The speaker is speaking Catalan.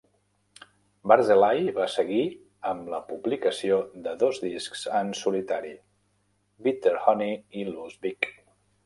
Barzelay va seguir amb la publicació de dos discs en solitari, "Bitter Honey" i "Lose Big".